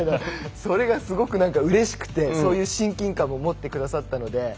それがすごくうれしくて親近感も持ってくださったので。